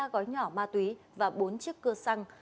một mươi ba gói nhỏ ma túy và bốn chiếc cưa xăng